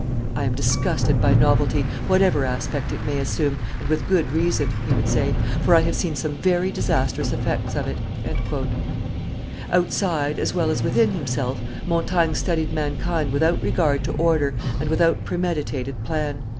"I am disgusted by novelty, whatever aspect it may assume, and with good reason," he would say, "for I have seen some very disastrous effects of it." Outside as well as within himself, Montaigne studied mankind without regard to order and without premeditated plan.